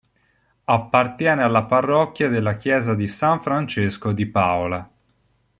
Appartiene alla parrocchia della Chiesa di San Francesco di Paola.